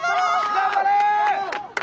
頑張れ！